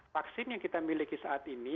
vaksin yang kita miliki saat ini